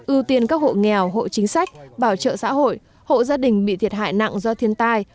ưu tiên các hộ nghèo hộ chính sách bảo trợ xã hội hộ gia đình bị thiệt hại nặng do thiên tai